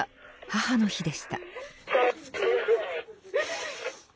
母の日でした。